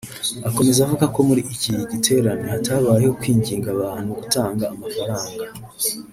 Akomeza avuga ko muri iki giterane hatabayeho kwinginga abantu gutanga amafaranga